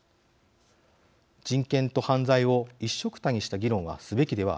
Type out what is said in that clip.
人権と犯罪を一緒くたにした議論はすべきではありません。